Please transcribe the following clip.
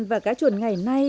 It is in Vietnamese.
và cá chuồn ngày nay